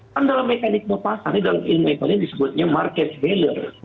kan dalam mekanisme pasar dalam ilmu ilmu ini disebutnya market failure